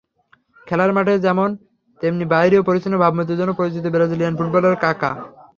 খেলার মাঠে যেমন, তেমনি বাইরেও পরিচ্ছন্ন ভাবমূর্তির জন্য পরিচিত ব্রাজিলিয়ান ফুটবলার কাকা।